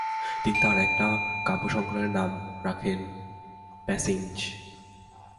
তিনি তার একটি কাব্যসংকলনের নাম রাখেন প্যান্সিজ ।